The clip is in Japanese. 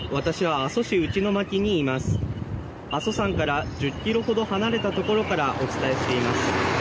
阿蘇山から１０キロほど離れた所からお伝えしています。